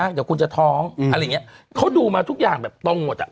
เดี๋ยวคุณจะท้องอะไรอย่างเงี้ยเขาดูมาทุกอย่างแบบตรงหมดอ่ะ